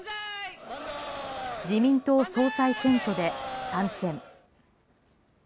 自民党総裁選挙で３選。